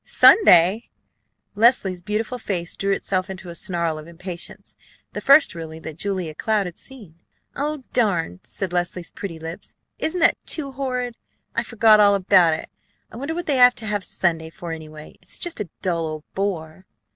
"Sunday!" Leslie's beautiful face drew itself into a snarl of impatience, the first, really, that Julia Cloud had seen. "Oh, darn!" said Leslie's pretty lips. "Isn't that too horrid? I forgot all about it. I wonder what they have to have Sunday for, anyway. It's just a dull old bore!"